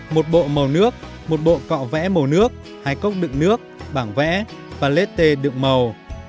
một bộ màu nước một bộ cọ vẽ màu nước hai cốc đựng nước bảng vẽ và lết tê đựng màu